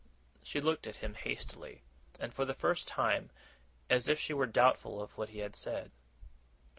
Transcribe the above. She looked at him hastily, and for the first time, as if she were doubtful of what he had said.